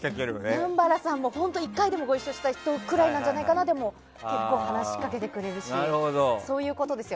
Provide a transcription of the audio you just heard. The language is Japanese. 南原さんも本当１回でもご一緒した人なんじゃないかなくらいの人でも結構、話しかけてくれるしそういうことですよ。